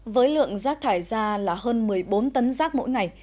với lượng rác thải ra là hơn một mươi bốn tấn rác mỗi ngày